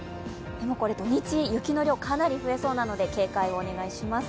これ、土日、雪の量がかなり増えそうなので警戒をお願いします。